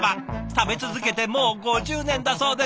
食べ続けてもう５０年だそうです。